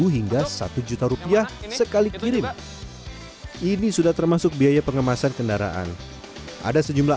hingga satu juta rupiah sekali kirim ini sudah termasuk biaya pengemasan kendaraan ada sejumlah